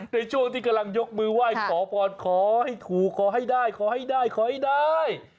ในช่วงที่กำลังยกมือไหว้ขอพรขอให้ถูกขอให้ได้ขอให้ได้ขอให้ได้